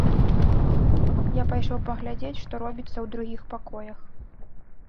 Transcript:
Я пайшоў паглядзець, што робіцца ў другіх пакоях.